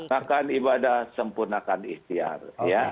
maka ibadah sempurna akan ikhtiar